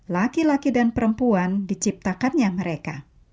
laki laki dan perempuan diciptakannya mereka